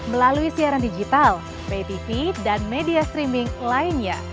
untuk mengetahui siaran digital ptv dan media streaming lainnya